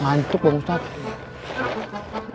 ngantuk bang ustadz